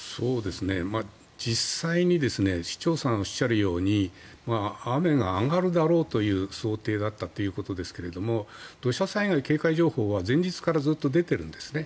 実際に市長さんがおっしゃるように雨が上がるだろうという想定だったということですが土砂災害警戒情報は前日からずっと出ているんですね。